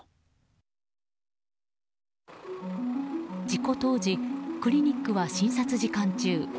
事故当時クリニックは診察時間中。